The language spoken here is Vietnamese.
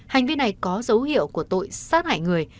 hành vi này có dấu hiệu của tội sát hại người